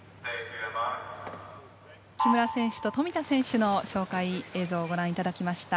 木村選手と富田選手の紹介映像をご覧いただきました。